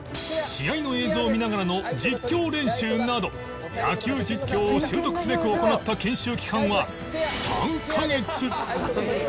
試合の映像を見ながらの実況練習など野球実況を習得すべく行った研修期間は３カ月！